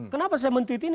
kenapa saya mentit ini